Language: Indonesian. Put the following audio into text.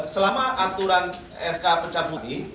selama aturan sk pencabutan ini